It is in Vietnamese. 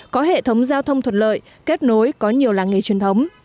có hệ thống giao thông thuận lợi kết nối có nhiều làng nghề truyền thống